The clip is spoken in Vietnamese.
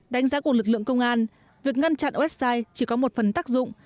đánh giá của lực lượng công an việc ngăn chặn website chỉ có một phần tác dụng